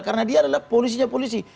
karena dia adalah polisinya polisi